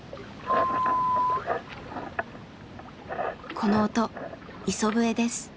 この音磯笛です。